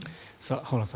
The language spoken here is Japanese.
浜田さん